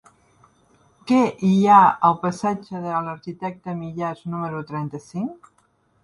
Què hi ha al passatge de l'Arquitecte Millàs número trenta-cinc?